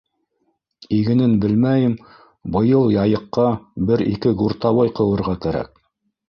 — Игенен белмәйем, быйыл Яйыҡҡа бер-ике гуртовой ҡыуырға кәрәк.